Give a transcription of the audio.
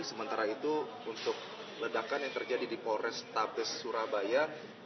sementara itu untuk ledakan yang terjadi di polrestabes surabaya